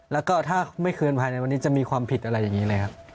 แล้วก็ถ้าไม่คืนภายในวันนี้จะมีความผิดอะไรอย่างนี้เลยครับ